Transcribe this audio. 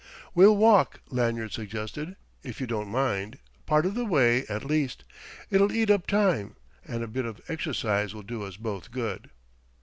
"We'll walk," Lanyard suggested "if you don't mind part of the way at least; it'll eat up time, and a bit of exercise will do us both good."